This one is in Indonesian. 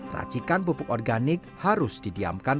racikan pupuk organik harus didiamkan